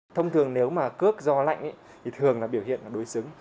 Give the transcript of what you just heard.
thông thường nếu mà cước do lạnh thì thường là biểu hiện đối xứng